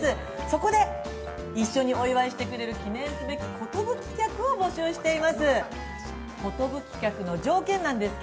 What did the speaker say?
そこで、一緒にお祝いしてくれる、記念すべき、寿客を募集しています。